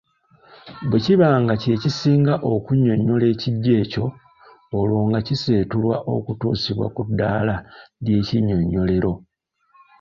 Bwe kiba nga kye kisinga okunnyonnyola ekijjo ekyo, olwo nga kiseetulwa okutuusibwa ku ddaala ly’ennyinyonnyolero.